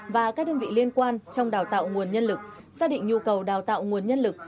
và các đơn vị liên quan trong đào tạo nguồn nhân lực xác định nhu cầu đào tạo nguồn nhân lực